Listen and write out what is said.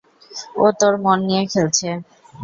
ও তোর মন নিয়ে খেলছে।